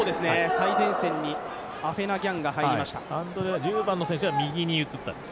最前線にアフェナ・ギャンが入りました。